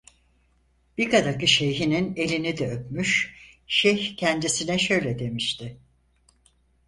Biga'daki şeyhinin elini de öpmüş, şeyh kendisine şöyle demişti: